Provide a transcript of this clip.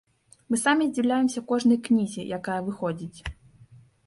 Мы самі здзіўляемся кожнай кнізе, якая выходзіць.